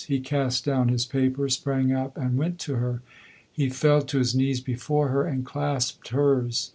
He cast down his paper, sprang up and went to her. He fell to his knees before her and clasped hers.